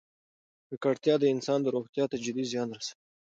ککړتیا د انسان روغتیا ته جدي زیان رسوي.